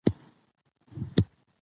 د جملې ترتيب ډېر مهم دی.